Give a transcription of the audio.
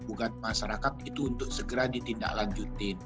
ugat masyarakat itu untuk segera ditindaklanjutin